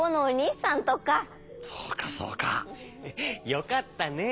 よかったね。